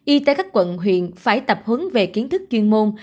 y tế các quận huyện phải tập hướng về kiến thức chuyên môn